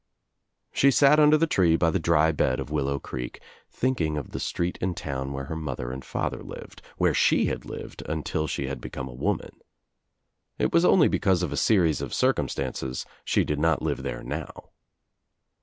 I She sat under the tree by the dry bed of Willow ECrcek thinking of the street in town where her mother 'and father lived, where she had lived until she had become a woman. It was only because of a series of circumstances she did not live there now.